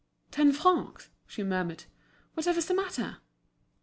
ten francs?" she murmured. "Whatever's the matter?"